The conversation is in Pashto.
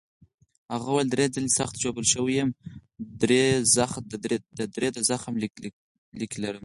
هغه وویل: درې ځلي سخت ژوبل شوی یم، درې د زخم لیکې لرم.